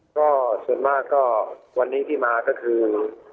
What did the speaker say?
ก็ส่วนมากก็วันนี้ที่มาก็คือ